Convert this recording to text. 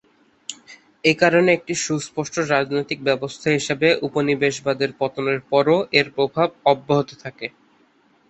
এই কারণে একটি সুস্পষ্ট রাজনৈতিক ব্যবস্থা হিসেবে উপনিবেশবাদের পতনের পরও এর প্রভাব অব্যাহত থাকে।